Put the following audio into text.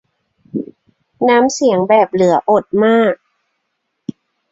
น้ำเสียงแบบเหลืออดมาก